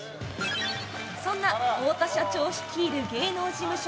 そんな太田社長率いる芸能事務所